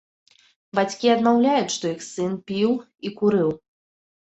Бацькі адмаўляюць, што іх сын піў і курыў.